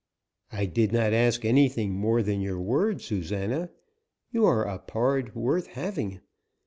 "I did not ask anything more than your word, Susana. You are a pard worth having.